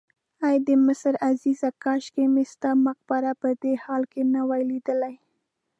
ای د مصر عزیزه کاشکې مې ستا مقبره په دې حال نه وای لیدلې.